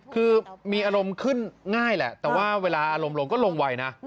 คือมีอารมณ์ขึ้นง่ายแหละแต่ว่าเวลาอารมณ์ลงก็ลงไวนะ